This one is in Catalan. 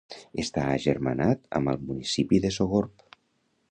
Està agermanat amb el municipi de Sogorb.